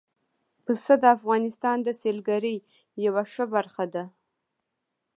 پسه د افغانستان د سیلګرۍ یوه ښه برخه ده.